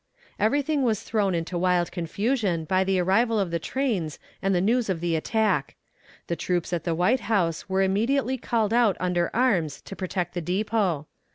Everything was thrown into wild confusion by the arrival of the trains and the news of the attack. The troops at the White House were immediately called out under arms to protect the depot.